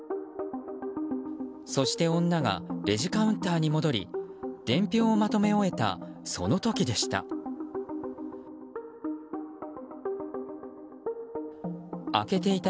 そして女がレジカウンターに戻り伝票をまとめ終えたその時でした。